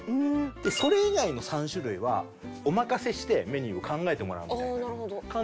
それ以外の３種類はお任せしてメニューを考えてもらうみたいな感じになっておりまして。